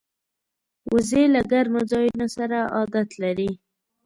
وزې له ګرمو ځایونو سره عادت لري